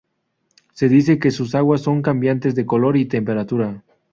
Se Dice que sus aguas son cambiantes de color y temperatura.